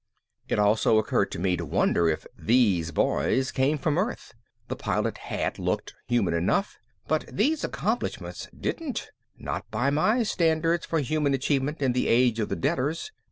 It also occurred to me to wonder if "these boys" came from Earth. The Pilot had looked human enough, but these accomplishments didn't not by my standards for human achievement in the Age of the Deaders.